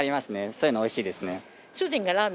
そういうのおいしいですね。